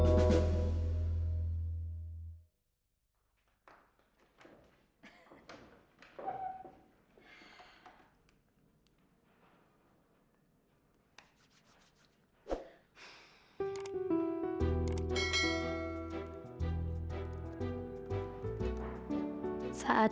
tidak ada korepot